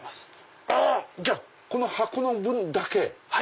じゃあこの箱の分だけ。